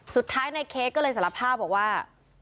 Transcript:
สุดท้ายในเคสก็เลยสรรพภาพบอกว่า